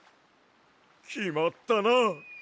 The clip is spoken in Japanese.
きまったな！